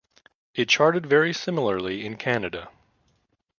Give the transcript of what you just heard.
It charted very similarly in Canada.